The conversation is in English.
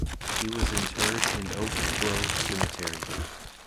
He was interred in Oak Grove Cemetery.